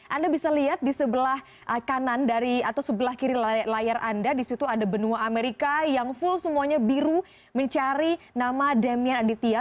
anda bisa lihat di sebelah kanan dari atau sebelah kiri layar anda disitu ada benua amerika yang full semuanya biru mencari nama demian aditya